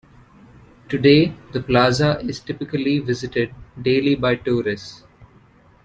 Today, the plaza is typically visited daily by tourists.